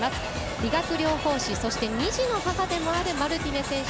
理学療法士、そして２児の母でもあるマルティネ選手。